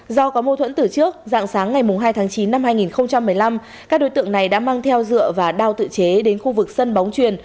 do có mâu thuẫn từ trước dạng sáng ngày hai tháng chín năm hai nghìn một mươi năm các đối tượng này đã mang theo dựa và đao tự chế đến khu vực sân bóng truyền